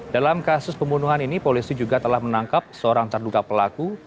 dalam kasus pembunuhan ini polisi juga telah menangkap seorang terduga pelaku